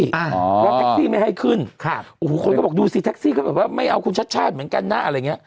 เพราะแท็กซี่ไม่ให้ขึ้นคนก็บอกดูสิแท็กซี่ไม่เอาคุณชัดเหมือนกันน่ะอะไรอย่างนี้